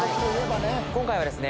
今回はですね